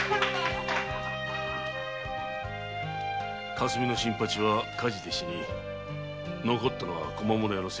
「霞の新八は火事で死に残ったのは小間物屋の清吉」か。